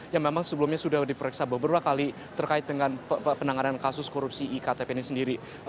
yang memang sebelumnya sudah diperiksa beberapa kali terkait dengan penanganan kasus korupsi iktp ini sendiri